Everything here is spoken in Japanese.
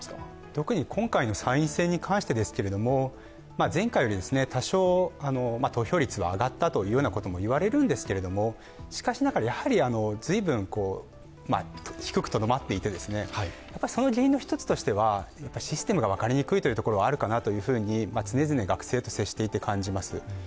特に今回の参院選に関してですけれども、前回より多少、投票率は上がったとも言われるんですけれどもしかしながら、やはり随分低くとどまっていてその原因の一つとしてはシステムが分かりにくいところがあるかなと、常々、学生と接していて感じます。